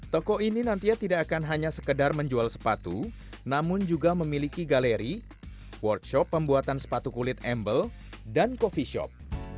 toko ini nantinya tidak akan hanya sekedar menjual sepatu namun juga memiliki galeri workshop pembuatan sepatu kulit embel dan coffee shop